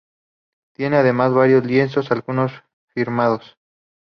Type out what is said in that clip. Tiene además varios lienzos, algunos firmados.